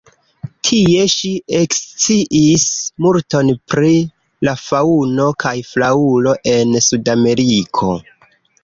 Tie ŝi eksciis multon pri la faŭno kaj flaŭro en Sudameriko.